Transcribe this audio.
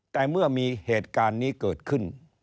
แต่เมื่อมีเหตุการณ์นี้เกิดขึ้น